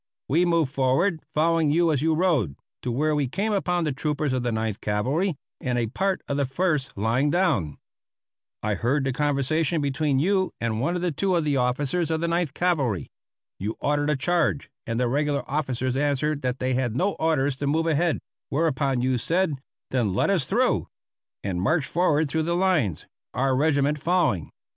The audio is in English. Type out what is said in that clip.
We moved forward, following you as you rode, to where we came upon the troopers of the Ninth Cavalry and a part of the First lying down. I heard the conversation between you and one or two of the officers of the Ninth Cavalry. You ordered a charge, and the regular officers answered that they had no orders to move ahead; whereupon you said: "Then let us through," and marched forward through the lines, our regiment following.